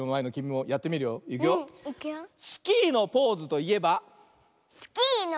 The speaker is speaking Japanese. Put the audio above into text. スキーのポーズといえば？